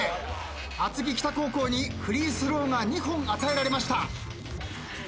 厚木北高校にフリースローが２本与えられました。